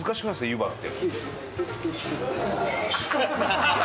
湯葉って。